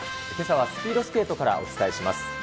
けさはスピードスケートからお伝えします。